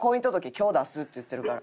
今日出すって言ってるから。